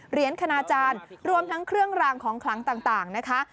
คณาจารย์รวมทั้งเครื่องรางของคลังต่างนะคะ